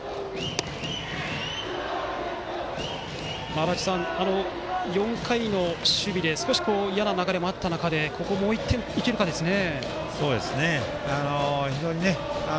足達さん、４回の守備で少しいやな流れがあった中でここもう１点、行けるかですね。